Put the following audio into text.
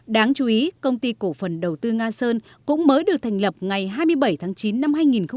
đáng chú ý công ty cổ phần đầu tư nga sơn cũng mới được thành lập ngày hai mươi bảy tháng chín năm hai nghìn một mươi bảy